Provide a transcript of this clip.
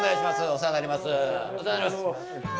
お世話になります。